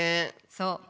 そう。